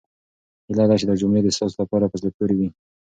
هيله ده چې دا جملې ستاسو لپاره په زړه پورې وي.